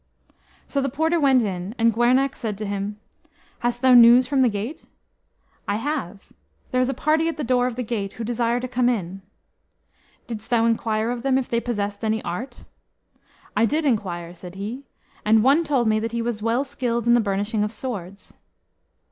So the porter went in, and Gwernach said to him, "Hast thou news from the gate?" "I have. There is a party at the door of the gate who desire to come in." "Didst thou inquire of them if they possessed any art?" "I did inquire," said he, "and one told me that he was well skilled in the burnishing of swords."